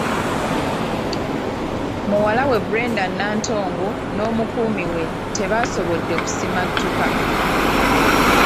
Muwala we Brenda Nantongo n’omukuumi we tebaasobodde kusimattuka.